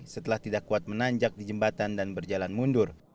setelah tidak kuat menanjak di jembatan dan berjalan mundur